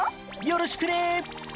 よろしくね。